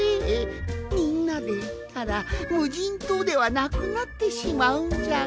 みんなでいったらむじんとうではなくなってしまうんじゃが。